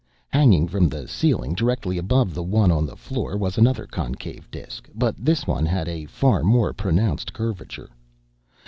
Hanging from the ceiling, directly above the one on the floor, was another concave disk, but this one had a far more pronounced curvature.